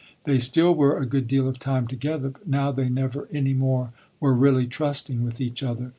They still were a good deal of time together, but now they never any more were really trusting with each other.